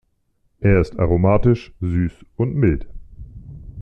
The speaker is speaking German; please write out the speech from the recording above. Er ist aromatisch, süß und mild.